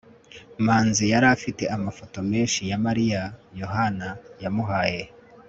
manzi yari afite amafoto menshi ya mariya yohana yamuhaye